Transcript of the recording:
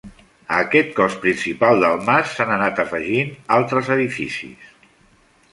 A aquest cos principal del mas s'han anat afegint altres edificis.